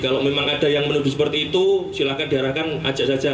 kalau memang ada yang menuduh seperti itu silahkan diarahkan ajak saja